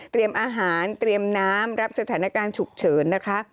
อาหารเตรียมน้ำรับสถานการณ์ฉุกเฉินนะคะ